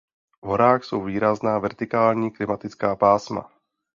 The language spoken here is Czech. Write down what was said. V horách jsou výrazná vertikální klimatická pásma.